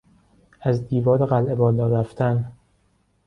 از دیوار قلعه بالا رفتن